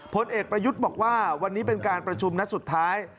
ผลเอกประยุทธ์บอกว่าวันนี้เป็นการประชุมนัดสุดท้าย